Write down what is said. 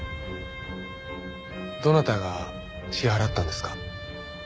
どなたが支払ったんですか？